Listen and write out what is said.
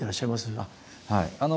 はい。